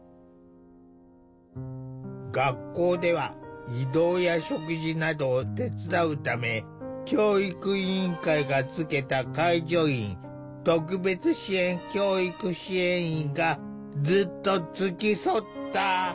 学校では移動や食事などを手伝うため教育委員会がつけた介助員特別支援教育支援員がずっと付き添った。